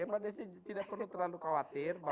mbak desi tidak perlu terlalu khawatir